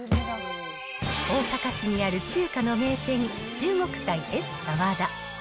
大阪市にある中華の名店、中国菜エスサワダ。